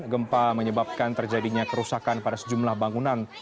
gempa menyebabkan terjadinya kerusakan pada sejumlah bangunan